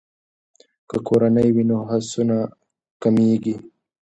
که کورنۍ وي نو هڅونه نه کمیږي.